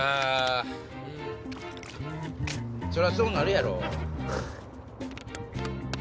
そりゃそうなるやろ。